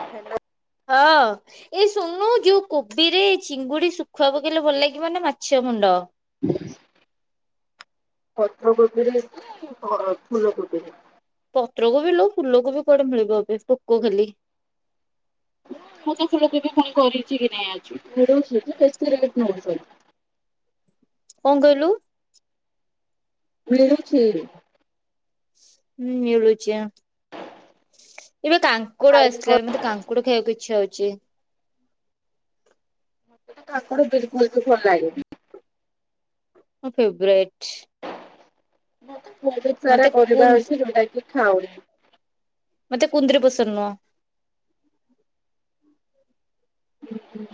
Hello ହଁ। ଏଇ ଶୁଣୁନୁ ଯୋଉ କୋବିରେ ଚିଙ୍ଗୁଡି ଶୁଖୁଆ ପକେଇଲେ ଭଲ ଲାଗିବ ନା ମାଛ ମୁଣ୍ଡ। ପତ୍ର କୋବିରେ ନା [unintelligible] ଫୁଲ କୋବିରେ? ପତ୍ରକୋବି ଲୋ ଫୁଲକୋବି କୁଆଡେ ମିଳିବ ଏବେ ପୋକ ଖାଲି। ମୁଁ ତ ଫୁଲକୋବି ପୁଣି କରିଚି କି ନାଇଁ ଆଜି [unintelligible] କଣ କଇଲୁ? ମିଳୁଛି। ହୁଁ ମିଳୁଚି ଆଁ। ଏବେ କାଙ୍କଡ ଭାଇଙ୍କ ଆସିଲାଣି ମତେ କାଙ୍କଡ ଖାଇଆକୁ ଇଚ୍ଛା ହେଉଚି। ମତେ କାଙ୍କଡ଼ ବିଲକୁଲୁ ବି ଭଲ ଲାଗେନି। ମୋ ଫେବ୍ରାଇଟ। ମୋର ତ ବହୁତ୍ ମତେ ସାରା ପରିବା କୁନ୍ ଅଛି ଯୋଉଟା କି ଖାଉନି। ମତେ କୁନ୍ଦୁରି ପସନ୍ଦ ନୁହଁ। ହୁଁ ହୁଁ।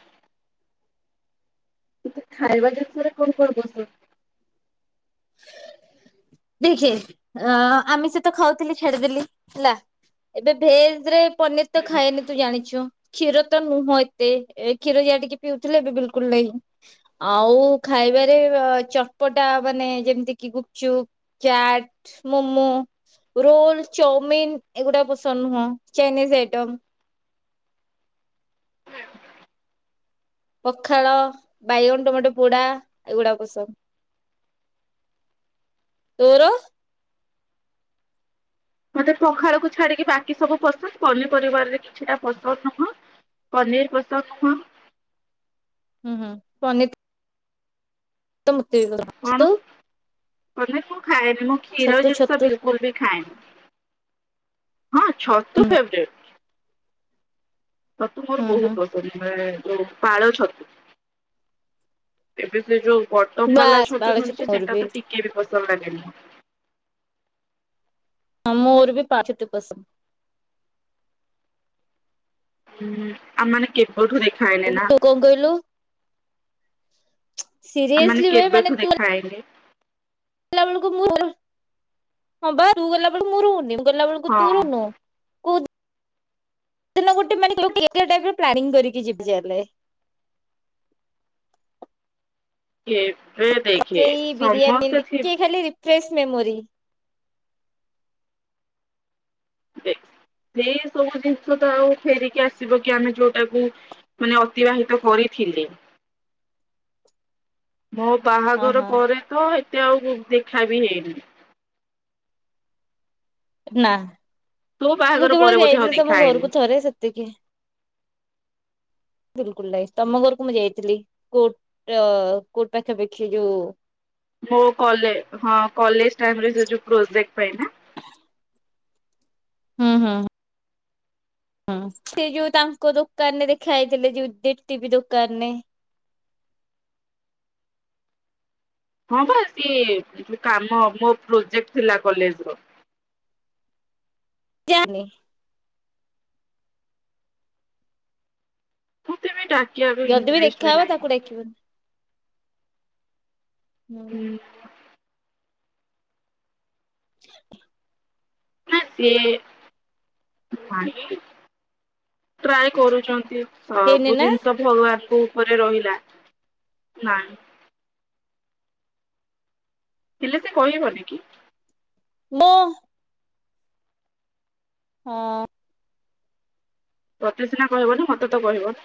ତତେ ଖାଇବା ଜିନିଷରେ କଣ କଣ ପସନ୍ଦ? ଦେଖେ ଆ ଆମିଷ ତ ଖାଉଥିଲି ଛାଡ଼ିଦେଲି ହେଲା। ଏବେ ଭେଜ୍ ରେ ପନିର୍ ତ ଖାଏନି ତୁ ଜାଣିଚୁ। କ୍ଷୀର ତ ନୁହଁ ଏତେ। ଏ କ୍ଷୀର ଇଆଡେ ଟିକେ ପିଉଥିଲି ଏବେ ବିଲକୁଲ୍ ନାହିଁ। ଆଉ ଖାଇବାରେ ଚଟପଟା ମାନେ ଯେମିତି କିି ଗୁପ୍ ଚୁପ୍, ଚାଟ୍, ମୋମୋ। ରୋଲ୍, ଚଉମିିନ୍ ଏଗୁଡା ପସନ୍ଦ ନୁହଁ ଚାଇନିଜ୍ ଆଇଟମ୍। ପଖାଳ, ବାଇଗଣ, ଟମାଟ ପୋଡା ଏଗୁଡା ପସନ୍ଦ। ତୋର? ମତେ ପଖାଳ କୁ ଛାଡିକି ବାକି ସବୁ ପସନ୍। ପନିପରିବାର ରେ କିଛିଟା ପସନ୍ ନୁହଁ। ପନିର ପସନ୍ଦ ନୁହଁ। ହୁଁ ହୁଁ ପନର କଣ [inaudible] ପନିର ମୁଁ ଖାଏନି ମ କ୍ଷୀର ଛତୁ ଜିନିଷ ଛତୁ ବିଲକୁଲ ବି ଖାଏନି। ହଁ ଛତୁ ଫେବରାଇଟ ଛତୁ ମୋର ହୁଁ ବହୁତ ହୁଁ ପସନ୍ଦ। ଯୋଉ ପାଳ ଛତୁ ଏବେ ସେ ଯୋଉ ପଟ ବାଲା ବାସ୍ ପାଳ ଛତୁ ମିଳୁଛି ମୋର ସେଟା ବି ତ ଟିକେ ବି ପସନ୍ଦ ଲାଗେନି। ହଁ ମୋର ବି ପାଳ ଛତୁ ପସନ୍ଦ। ହୁଁ ଆମ ମାନେ କେବେଠୁ ଦେଖାହଇନି ନା ତୁ କଣ କହିଲୁ? ସିରିଏସଲି ମାନେ ଖାଇ ଗଲା ବେଳକୁ ମୁ ହଁ ବା ତୁ ଗଲା ବେଳକୁ ମୁଁରୁହୁନି ମୁ ଗଲା ବେଳକୁ ହଁ ତୁରୁନୁ। ଗୋଟେ ମାନେ ପ୍ଲାନିଂ କରିକି ଯିବଲେ। [inaudible] ସେଇ ବିରିୟାନୀରେ ସମସ୍ତେ ଥି ଟିକେ ଖାଲି ରିଫ୍ରେଶ ମେମୋରି। ଏଇ ସବୁ ଜିନିଷ ତ ଆଉ ଫେରିକି ଆସିବ କି ଆମେ ଯୋଉଟାକୁ ମାନେ ଅତିବାହିତ କରିଥିଲେ। ମୋ ହଁ ବାହାଘର ହଁ ପରେ ତ ଏତେ ଆଉ ଦେଖା ବି ହେଇନି। ନା ତୋ ମୁଁ ବାହାଘର ପରେ କେବଳ ବୋଧେ ଆଉ ଯାଇଥିଲି ଦେଖା ତମ ହେଇନି। ଘରକୁ ଥରେ ସେତିକି। ବିଲକୁଲ ନାଇ ତମ ଘରକୁ ମୁଁ ଯାଇଥିଲି କୋଟ କୋର୍ଟ ପାଖାପାଖି ଯୋଉ ମୋ ହଁ କଲେଜ ଟାଇ ଯ ପ୍ରୋଜେକ୍ଟ ପାଇଁ ହୁଁ ହୁଁଁ। ହଁ ସେ ଯୋଉ ତାଙ୍କ ଦୋକାନରେ ଦେଖା ହେଇଥିଲେ ଯୋଉ ଦୋକାନ ରେ ହଁ ବାାଇ କାମ ମୋ ପ୍ରୋଜେକ୍ଟ ଥିଲା କଲେଜରେ ଜାଣିନି। ମତେ ବି ଡାକିବା ବି ଯଦି ବିି ଇଣ୍ଟରେଷ୍ଟ ବି ଦେଖାହବ ନାହିଁ ତାକୁ ଡାକିବନି। ହୁଁ। [inaudible] ନା ସିଏ ଟ୍ରାଏ କରୁଛନ୍ତି। ହେଇନି ସବୁ ନା ଜିନିଷ ଭଗବାନଙ୍କ ଉପରେ ରହିଲା ନାଇଁ। ହେଲେ ସେ କହିବନି କି। ମୁଁ। ହଁ। ପ୍ରତି ସିନା କହିବନି ମତେ ତ କହିବ।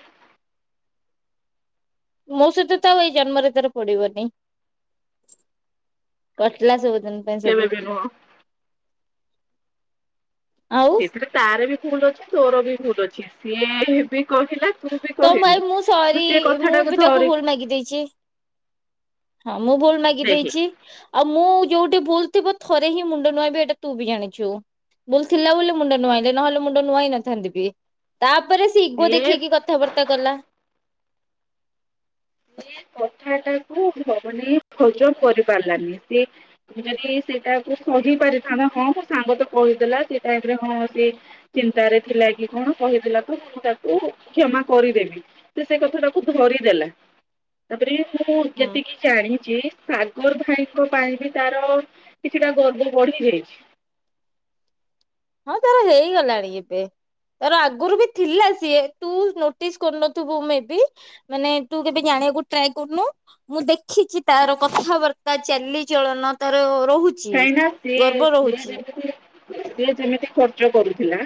ମୋ ସହିତ ତ ଆଉ ଏଇ ଜନ୍ମରେ ତାର ପଡିବନି। କଟିଲ ସବୁଦିନ। ପାଇଁ କେବେ ସବୁ ବି ନୁହଁ। ଆଉ ସେଥିରେ ତାର ବି ଭୁଲ ଅଛି ତୋର ବି ଭୁଲ ଅଛି ସିଏ ବି କହିଲା। ତୁ ବି ତ କହିଲୁ ମୁଁ ତୁ ସରି ସେ ମୁଁ କଥାଟାକୁ ବି ତାକୁ ଧରି ଭୁଲ ମାଗି ଦେଇଛି। ହଁ ମୁଁ ଭୁଲ ମାଗି ଦେଖେ ଦେଇଛି। ଆଉ ମୁଁ ଯୋଉଠି ଭୁଲ ଥିବ ଥରେ ହିଁ ମୁଣ୍ଡ ନୁଆଁବି ଏଇଟା ତୁ ବି ଜାଣିଛୁ। ବୁଲ ଥିଲା ବୋଲି ମୁଣ୍ଡ ନୁଆଇଁଲେ ନହେଲେ ମୁଣ୍ଡ ନୁଆଇ ନଥାନ୍ତି ବି। ତାପରେ ସେ ଇଗୋ ସିଏ ଦେଖେଇକି କଥାବାର୍ତ୍ତା କଲା। ସେ କଥା ଟା କୁ ଭନେଇ ଭୋଜନ କରି ପାରିଲାନି ସି ଯଦି ସେଇଟା ସଝ ପାରିଥାନ୍ତା ହଁ ମୋ ସାଙ୍ଗ ତ କହିଦେଲା ସେ ଟାଇ ରେ ହଁ ସେ ଚିନ୍ତାରେ ଥିଲା କି କଣ କହିଥିଲା ତ ମୁଁ ତାକୁ କ୍ଷମା କରିଦେବି। ସେ ସେ କଥା ଟାକୁ ଧରିଦେଲା ତାପରେ ମୁଁ ହୁଁ ଯେତିକି ଜାଣିଛି ସାଗର ଭାଇଙ୍କ ପାଇଁ ବି ତାର କିଛିଟା ଗର୍ବ ବଢି ଯାଇଛି। ହଁ ତାର ହେଇଗଲାଣି କିନ୍ତୁ। ତାର ଆଗରୁ ବି ଥିଲା ସିଏ ତୁ ନୋଟିସ କରିନଥିବୁ ମେ ବି। ମାନେ ତୁ କେବେ ଜାଣିବାକୁ ଟ୍ରାଏ କରୁନୁ। ମୁଁ ଦେଖିଚି ତାର କଥାବାର୍ତ୍ତା ଚାଲିଚଳନ ତାର ରହୁଚି କାଇଁ ନା ସିଏ ସିଏ ଯେମିତି ସେ ଯେମିତି ଖର୍ଚ୍ଚ କରୁଥିଲା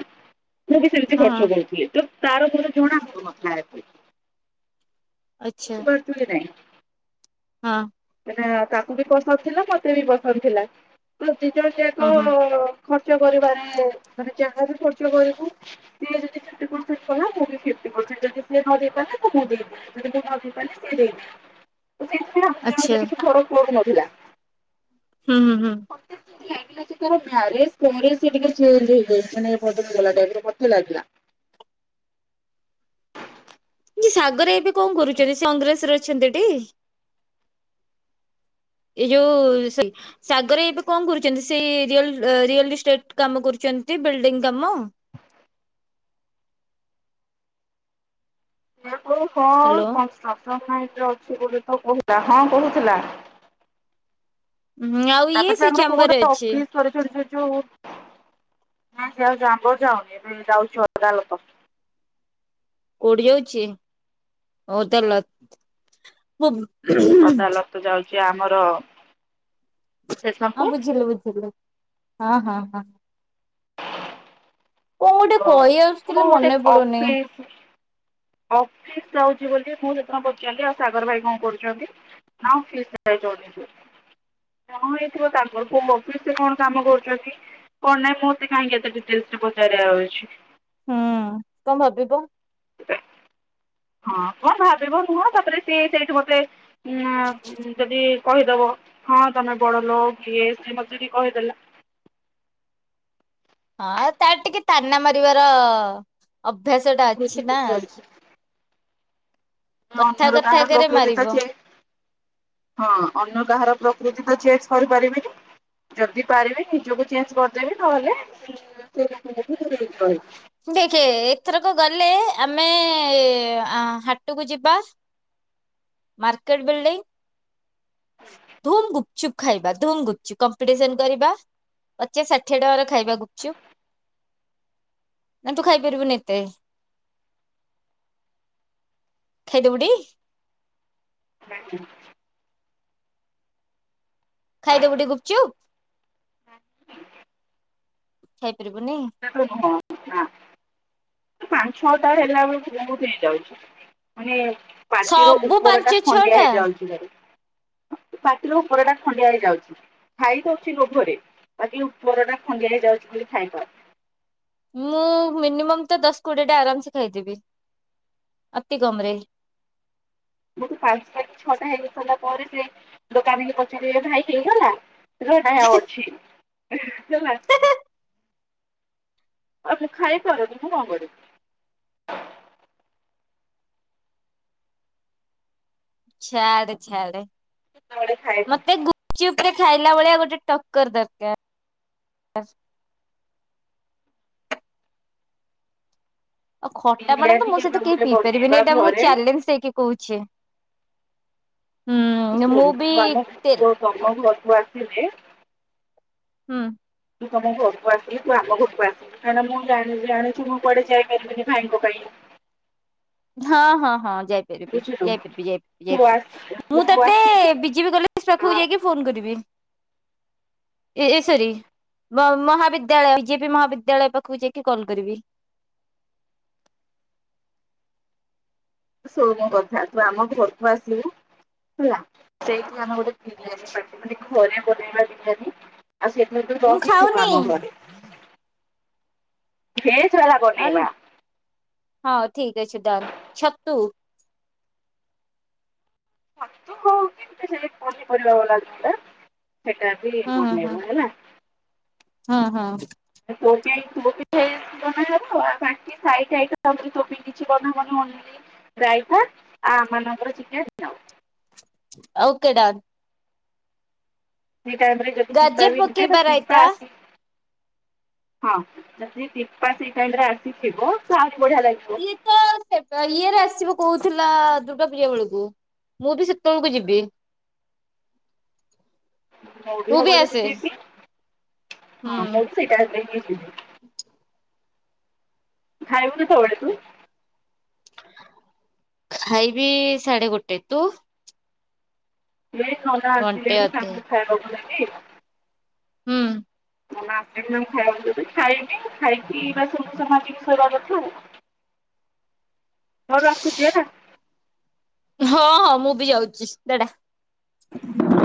ମୁଁ ବି ସେମିତି ହଁ ଖର୍ଚ୍ଚ କରୁଥିଲି, ତ ତାର ମୋର ଯୋଣା କଥା ଅଛି ଆଚ୍ଛା। କୁହାକୁହି ନାଇଁ। ହଁ। ସେଟା ତାକୁ ବି ପସନ୍ଦ ଥିଲା ମୋତେ ବି ପସନ୍ଦ ଥିଲା ତ ଦିଜଣ ହଁ ଯାକ ହଁ ଖର୍ଚ୍ଚ କରିବାରେ ମାନେ ଯାହା ବି ଖର୍ଚ୍ଚ କରିବୁ ସିଏ ଯଦି ଫିପଟି ପରସେଣ୍ଟ କଲା ମୁଁ ବି ଫିପଟି ପରସେଣ୍ଟ ଯଦି ସେ ନ ଦେଇ ପାରିଲା ତ ମୁଁ ଦେଇଦିଏ। ଯଦି ମୁଁ ନ ଦେଇପାରିଲି ସେ ଦେଇଦିଏ। ଦି ଆଚ୍ଛା ଜଣଙ୍କ ଭିତରେ ଫରକ୍ ପଡୁନଥିଲା। ହୁଁ ହୁଁ ହୁଁ। ମତେ ଯେମିତି ଲାଗେ ସେ ତାର ମ୍ୟାରେଜ୍ ପରେ ସେ ଟିକେ ଚେଞ୍ଜ ହେଇଯାଇଚି, ମାନେ ବଦଳିଗଲା ଟାଇପର [unintelligible] ସାଗର ଏବେ କଣ କରୁଚନ୍ତି ସେ କଂଗ୍ରେସରେ ଅଛନ୍ତି ଟି? ଏ ଯୋଉ ସେ ସାଗର ଏବେ କଣ କରୁଚନ୍ତି ସେଇ ରିଅଲ ରିଅଲିଷ୍ଟେଟ କାମ କରୁଚନ୍ତି ବିଲ୍ଡିଂ କାମ? ସିଏ ତ [unintelligible] ହ୍ୟାଲୋ ଲାଇନ୍ ବୋଲି ତ କହୁଥିଲା ହଁ କହୁଥିଲା। ହୁଁ ଆଉ ଇଏ ତାପରେ ତ ସେ ଆମର ଚାମ୍ବରରେ କେଉଁଟା ଅଛି ଅଫିସ୍ ସରି ସରି ସରି ଯୋଉ ନାଇଁ ଆଉ ଜାମ୍ବୋ ଯାଉନି ଏବେ ଯାଉଚି ଅଲଗା ଲୋକ। କୋଉଠି ଯାଉଚି ଅଦାଲତ [unintelligible] ଅଦାଲତ ଯାଉଚି ଆମର ହଁ ଷ୍ଟେସନକୁ ବୁଝିଲି ବୁଝିଲି ହଁ ହଁ ହଁ। ଗୋଟେ ହଁ କହି ଆସୁଥିଲି କୋଉ ଗୋଟେ ମନେ ପଡୁନି ଅଫିସ ଅଫିସ ଯାଉଚି ବୋଲି ମୁଁ ସେଦିନ ପଚାରିଲି ଆଉ ସାଗର ଭାଇ କଣ କରୁଚନ୍ତି? ନା ଅଫିସ ଯାଇଚନ୍ତି ହଁ ହେଇଥିବ ତାଙ୍କର କୋଉ ଅଫିସ ରେ କଣ କାମ କରୁଚନ୍ତି? କଣ ନାଇଁ ମତେ କାହିଁକି ଏତେ ଡିଟେଲସରେ ପଚାରାଉଚି। ହୁଁ କଣ ଭାବିବ? ହଁ କଣ ଭାବିବ ନୁହଁ ତାପରେ ସିଏ ସେଇଠି ମୋତେ ଉଁ ଯଦି କହିଦବ? ହଁ ତମେ ବଡ ଲୋକ କିଏ ସିଏ ମତେ ଟିକେ କହିଦେଲ? ହଁ ଆଉ ତାର ଟିକେ ତାନା ମାରିବାର ଅଭ୍ୟାସଟା ପ୍ରକୃତି ଅଛି ନା। ଟିକେ ଅଛି କଥା ଅନ୍ୟର କାହାର କଥାକରେ ପ୍ରକୃତି ତ ମାରିବ ଚେଞ୍ଜ। ହଁ ଅନ୍ୟ କାହାର ପ୍ରକୃତି ତ ଚେଞ୍ଜ କରିପାରିବିନି। ଯଦି ପାରିବେ ନିଜକୁ ଚେଞ୍ଜ କରିଦେବେ ନହେଲେ ସେ ମ୍ୟାଟର ଠାରୁ ଦୂରେଇକି ରହିବ। ଦେଖେ ଏଥରକ ଗଲେ ଆମେ ଆ ହାଟକୁ ଯିବା। Market building. ଧୁମ୍ ଗୁପଚୁପ୍ ଖାଇବା ଧୁମ୍ ଗୁପଚୁପ୍ କମ୍ପିଟିସନ କରିବା। ପଚାଶ ଷାଠିଏ ଟଙ୍କାର ଖାଇବା ଗୁପଚୁପ୍। ନା ତୁ ଖାଇପାରିବୁନି ଏତେ? ଖାଇ ଦୋବୁଟି ଏତେ? [unintelligible] ଖାଇଦବୁଟି ଗୁପଚୁପ୍। ଖାଇପାରିବୁନି? [unintelligible] ପାଞ୍ଚ ଛଅଟା ହେଲା ବେଳକୁ ବହୁତ ହେଇଯାଉଚି ମାନେ ପାଟିରୁ ସବୁ ପାଞ୍ଚ ଉପରଟା ଛଅ ଖଣ୍ଡିଆ ଟା ହେଇଯାଉଚି ଖାଲି। ପାଟିରୁ ଉପଟା ଖଣ୍ଡିଆ ହେଇ ଯାଉଚି। ଖାଇ ଦଉଛି ଲୋଭରେ ବାକି ଉପର ଟା ଖଡିଆ ହେଇଯାଉଚି ବୋଲି ଖାଇପାରୁ ମୁଁ ମିନିମମ୍ ତ ଦଶ କୋଡିଏ ଟା ଆରାମସେ ଖାଇଦେବି ଅତି କମ ରେ। ମୋଠୁ ପାଞ୍ଚଟା କି ଛଅଟା ହେଇ ସାରିଲ ପରେ ସିଏ ଦୋକାନିକି ପଚାରିବେ ଭାଇ ହେଇଗଲା। ହେଲା ନା ଆଉ ଅଛି। ହେଲା ଆ ମୁଁ ଖାଇପାରୁନି ମୁଁ କଣ କରିବି। ଛାଡେ ଛାଡେ କେତେବେଳେ ଖାଇବୁ ମତେ ଗୁ ଚୁପ ରେ ଖାଇଲା ଭଳିଆ ଗୋଟେ ଟକ୍କର ଦରକାର। ଆଉ ଖଟାପାଣି ତ ବିରିୟାନୀ ମୋ କେବେ ସହିତ କେହି ଗୋଟେ ପିଇ ପାରିବେନି ବନେଇବା ଏଇଟା ମୁଁ ଘରେ ଚାଲେଞ୍ଜ ଦେଇକି କହୁଛି ତୁ ହୁଁ ମୁଁ ଶୁଣୁ ବି ତୁ ଆମ ତେ ତୁ ତମ ଘରକୁ ଆସିଲେ ହୁଁ। ତୁ ତମ ଘରକୁ ଆସିଲେ ତୁ ଆମ ଘରକୁ ଆସି କାରଣ ମୁଁ ଜାଣି ଜାଣିଛିି ମୁଁ କୁଆଡେ ଯାଇପାରିବିନି ଭାଇଙ୍କ ପାଇଁ। ହଁ ହଁ ହଁ ଯାଇ ବୁଝିଲୁ ଯାଇପାରିବି ତୁ ଆସ [unintelligible] ମୁଁ ତୁ ତତେ ଆସିବୁ ବିଜେବି କଲେଜ ପାଖକୁ ଆ ଯାଇକି ଫୋନ କରିବି ଏ ଏ ସରି। ମ ମହାବିଦ୍ୟାଳୟ ବିଜେପି ମହାବିଦ୍ୟାଳୟ ପାଖକୁ ଯାଇକି କଲ କରିବି। ଶୋମୁ କରିଥାନ୍ତୁ ଆମ ଘରକୁ ଆସିବୁ ହେଲା ସେଇଠି ଆମେ ଗୋଟେ ବିରିୟାନୀ ପାଟି ମାନେ ଘରେ ବନେଇବା ବିରିଆନୀ ଆ ସେଇଥିପାଇଁ ତୁ ମୁଁ ରହିିଥିଲୁ ଖାଉନି ଆମ ଘରେ। ଢେର ସାରା ବନେଇବା। ହଁ ଠିକ ଅଛି ଡନ ଛତୁ ଛତୁ ହଉଚି [unintelligible] ସେ ପନିପରିବା ବାଲାଟା ସେଟା ବି [unintelligible] ହେଲା ହଁ ହଁ। [unintelligible] [unintelligible] ବାକି ଖାଇ ଖାଇ [unintelligible] ରାଇତା ଆଉ ଆମ ମାନଙ୍କର ଚିକେନ୍ ଆଉ। Okay done. ସେ ଟାଇମ ରେ ଯଦି ଶୀପା ଗାଜର ବି ହେଇଥାଏ ପକେଇବା ରାଇତା ଶିପା ଆସି ହଁ ଯଦି ସିପା ସେଇ ଟାଇମରେ ଆସିଥିବ ତ ଆହୁରି ବଢିଆ ଲାଗି ସିଏ ତ ସେ ଇଏରେ ଆସିବ କୋଉଥିଲା ଦୁର୍ଗା ପୂଜା ବେଳକୁ। ମୁଁ ବି ସେତେବେଳକୁ ଯିବି। ମୁଁବି ତୁ ବି ହବ ଯଦି ଆସେ ଯିବି ହୁଁ ହଁ ମୁଁ ବି ସେ ଟାଇମ୍ ରେ ହିଁ ଯିବି। ଖାଇବୁ କେତବେଳେତୁ। ଖାଇବି ସାଢେ ଗୋଟେ ତୁ? ଏ ନନା ଘଣ୍ଟେ ଆସିଲେଣି ଅଧେ ତାଙ୍କୁ ଖାଇବାକୁ ଦେବି। ହୁଁ। [unintelligible] ଖାଇବି ଖାଇକୀ ବାସନ କୁସନ ମାଜିକି ଥୋଇବା କଥା ଆଉ। ହଉ ରଖୁଚି ହେଲା। ହଁ ହଁ ମୁଁ ବି ଯାଉଚିସ୍ ଟାଟା।